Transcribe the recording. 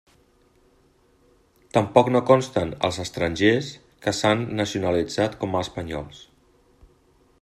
Tampoc no consten els estrangers que s'han nacionalitzat com a espanyols.